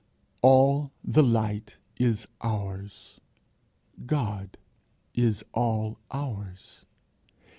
All the light is ours. God is all ours.